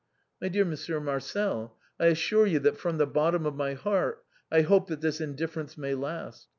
" My dear Monsieur Marcel, I assure you that from the bottom of my heart I hope that this indifference may last.